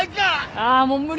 ああもう無理。